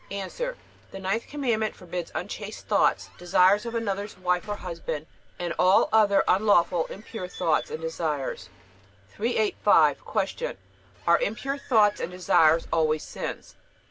A. The ninth Commandment forbids unchaste thoughts, desires of another's wife or husband, and all other unlawful impure thoughts and desires. 385. Q. Are impure thoughts and desires always sins?